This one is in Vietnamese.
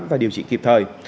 và điều trị kịp thời